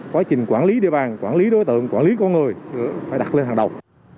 quá trình quản lý địa bàn quản lý đối tượng quản lý con người phải đặt lên hàng đầu